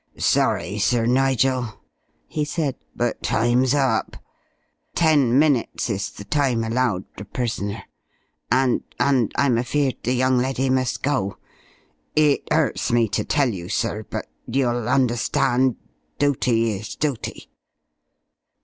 "Sorry, Sir Nigel," he said, "but time's up. Ten minutes is the time allowed a prisoner, and and I'm afeared the young leddy must go. It 'urts me to tell you, sir, but you'll understand. Dooty is dooty."